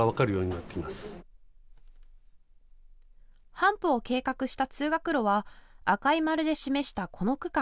ハンプを計画した通学路は赤い丸で示したこの区間。